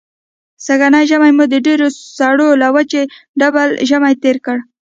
سږنی ژمی مو د ډېرو سړو له وجې ډبل ژمی تېر کړ.